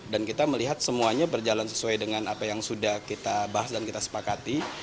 dan kita melihat semuanya berjalan sesuai dengan apa yang sudah kita bahas dan kita sepakati